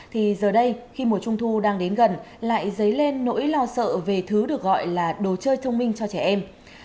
thì giờ đây khi mùa trung thu đang đến gần lại dấy lên nỗi lo sợ về thứ được gọi là đồ chơi thông minh cho trẻ em